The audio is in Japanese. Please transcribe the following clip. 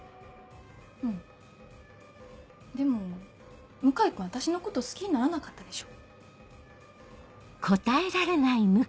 でも向井君私のこと好きにならなかったでしょ？